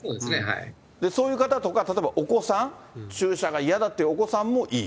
そういう方とか、例えばお子さん、注射が嫌だってお子さんもいい。